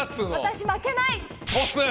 私負けない！